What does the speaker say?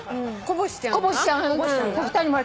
こぼしちゃんが？